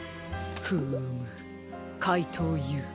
フームかいとうＵ。